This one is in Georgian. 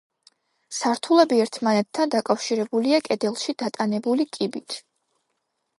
სართულები ერთმანეთთან დაკავშირებულია კედელში დატანებული კიბით.